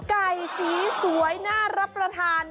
ไก่สีสวยน่ารับประทาน